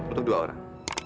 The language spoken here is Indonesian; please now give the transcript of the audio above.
untuk dua orang